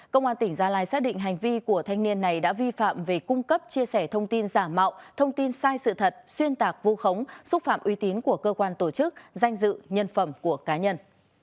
công an tỉnh gia lai xác định hành vi của thanh niên này đã vi phạm về cung cấp chia sẻ thông tin giả mạo thông tin sai sự thật xuyên tạc vu khống xúc phạm uy tín của cơ quan tổ chức danh dự nhân phẩm của cá nhân